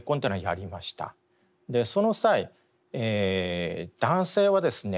その際男性はですね